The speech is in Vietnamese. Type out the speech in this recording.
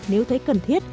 nếu thấy cần thiết